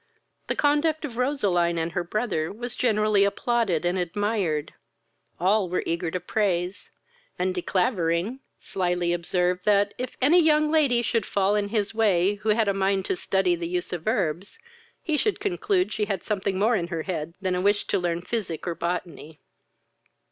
The conduct of Roseline and her brother was generally applauded and admired; all were eager to praise, and De Clavering slily observed, that, if any young lady should fall in his way who had a mind to study the use of herbs, he should conclude she had something more in her head than a wish to learn physic or botany.